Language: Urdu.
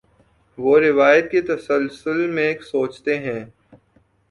وہ روایت کے تسلسل میں سوچتے ہیں۔